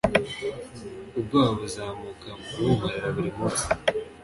Ubwoba Buzamuka bunkorera burimunsi